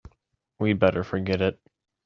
We'd better forget it.